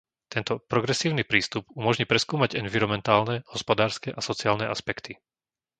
Tento progresívny prístup umožní preskúmať environmentálne, hospodárske a sociálne aspekty.